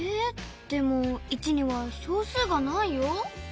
でも１には小数がないよ。